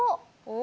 お！